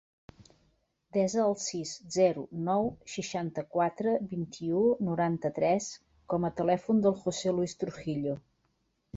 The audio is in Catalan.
Desa el sis, zero, nou, seixanta-quatre, vint-i-u, noranta-tres com a telèfon del José luis Trujillo.